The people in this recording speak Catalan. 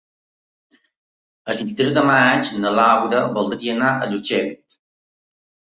El vint-i-tres de maig na Laura voldria anar a Llutxent.